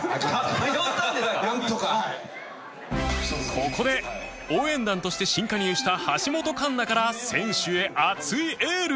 ここで応援団として新加入した橋本環奈から選手へ熱いエール